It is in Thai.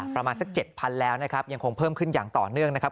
ประมาณสัก๗๐๐แล้วนะครับยังคงเพิ่มขึ้นอย่างต่อเนื่องนะครับ